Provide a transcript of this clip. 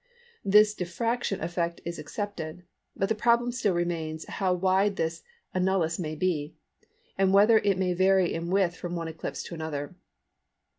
This diffraction effect is accepted; but the problem still remains how wide this annulus may be, and whether it may vary in width from one eclipse to another.